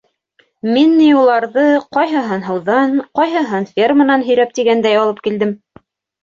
Мин ни уларҙы ҡайһыһын һыуҙан, ҡайһыһын ферманан һөйрәп тигәндәй алып килдем.